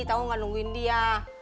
tahu tidak menunggu dia